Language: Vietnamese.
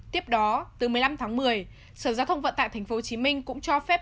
tiếp đó từ một mươi năm tháng một mươi sở giao thông vận tải tp hcm cũng cho phép